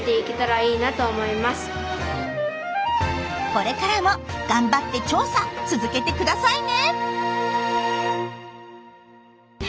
これからもがんばって調査続けてくださいね！